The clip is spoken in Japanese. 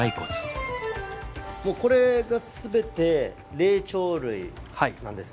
これが全て霊長類なんですね？